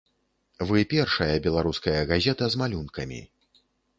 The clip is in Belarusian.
Вы першая беларуская газета з малюнкамі.